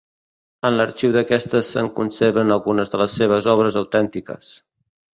En l'arxiu d'aquesta se'n conserven algunes de les seves obres autèntiques.